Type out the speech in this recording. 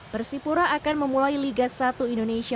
persipura akan memulai liga satu indonesia